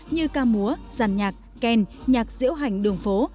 như ca múa giàn nhạc kèn nhạc diễu hành đường phố